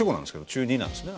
中２なんですね